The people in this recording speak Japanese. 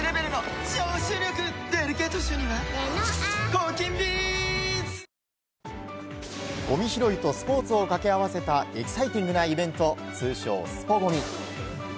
ゴミ拾いとスポーツをかけあわせたエキサイティングなイベント、通称、スポＧＯＭＩ。